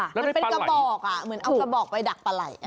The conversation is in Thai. มันเป็นกระบอกเหมือนเอากระบอกไปดักปลาไหล่